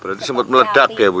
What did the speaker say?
berarti sempat meledak ya bu